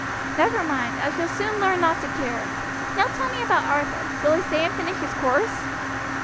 "Never mind; I shall soon learn not to care. Now tell me about Arthur. Will he stay and finish his course?"